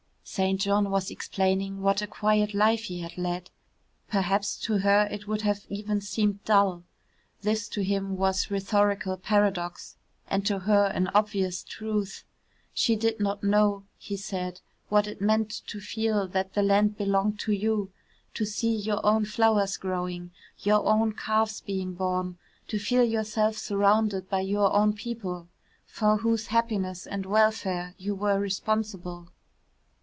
St. John was explaining what a quiet life he had led. Perhaps, to her, it would have even seemed dull. (This to him was rhetorical paradox, and to her an obvious truth.) She did not know, he said, what it meant to feel that the land belonged to you to see your own flowers growing, your own calves being born to feel yourself surrounded by your own people, for whose happiness and welfare you were responsible.